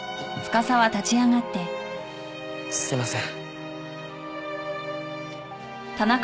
すいません。